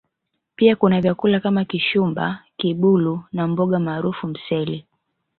Pia kuna vyakula kama Kishumba Kibulu na mboga maarufu Msele